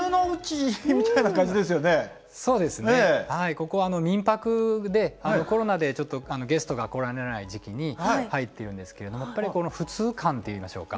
ここは民泊でコロナでゲストがこられない時期に入ってるんですけれどもやっぱりこの普通感といいましょうか。